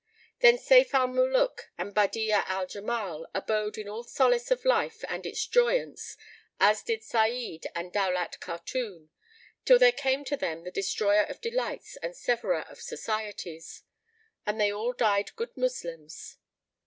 Then Sayf al Muluk and Badi'a al Jamal abode in all solace of life and its joyance as did Sa'id and Daulat Khatun, till there came to them the Destroyer of delights and Severer of societies; and they all died good Moslems.